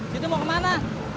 situ mau kemana